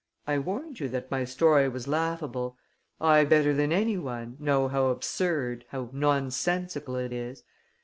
"I warned you that my story was laughable; I, better than any one, know how absurd, how nonsensical it is.